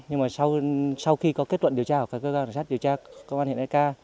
nhưng mà sau khi có kết luận điều tra của các cơ quan sát điều tra công an hiện tại ca